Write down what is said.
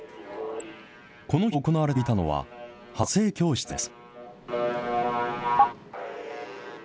この日行われていたのは、発声教室です。